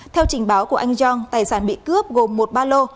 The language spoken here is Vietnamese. theo trình báo của anh yong tài sản bị cướp gồm một ba lô